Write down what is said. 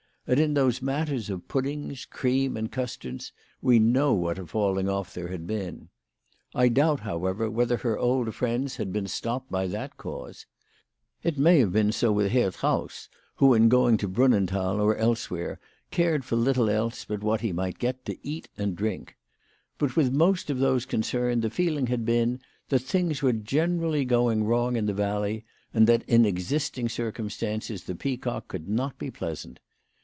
And in those matters of puddings, cream, and custards, we know what a falling off there had been. I doubt, however, whether her old friends had been stopped by that cause. It may have been so with Herr Trauss, who in going to Brunnen thal, or elsewhere, cared for little else but what he might get to eat and drink. But with most of those concerned the feeling had been that things were gene rally going wrong in the valley, and that in existing circumstances the Peacock could not be pleasant.